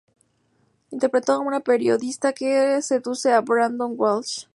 Interpretó a una periodista que seduce a Brandon Walsh.